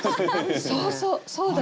そうそうそうです。